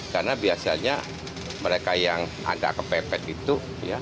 karena biasanya mereka yang ada kepepet itu